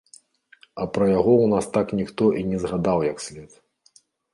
А пра яго ў нас так ніхто і не згадаў як след.